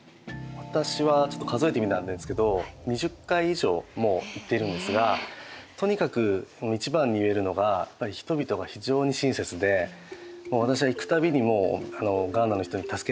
私はちょっと数えてみたんですけど２０回以上もう行っているんですがとにかく一番に言えるのがやっぱり人々が非常に親切で私は行く度にもうガーナの人に助けてもらってます。